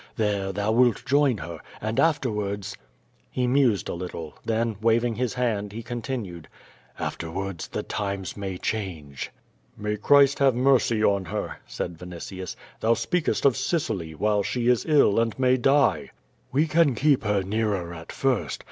There thou wilt join her, and afterwards —" He mused a little, then, waving his hand, he continued: "Afterwards, the times may change." 'Ifay Christ have mercy on her," said Vinitius. Thou speakcst of Sicily^ while she is ill and may die." QVO VADl^. 427 "We can keep her nearer at first.